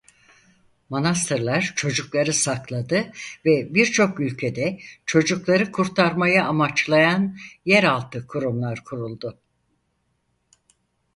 Manastırlar çocukları sakladı ve birçok ülkede çocukları kurtarmayı amaçlayan yeraltı kurumlar kuruldu.